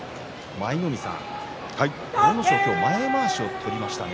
舞の海さん阿武咲も前まわしを取りましたね。